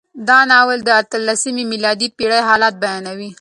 دا ناول د اتلسمې میلادي پېړۍ حالات بیانوي.